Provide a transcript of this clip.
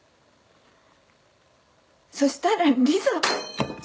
そしたらリサ。